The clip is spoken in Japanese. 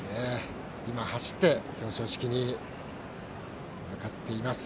走って表彰式に向かっています。